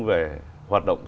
về hoạt động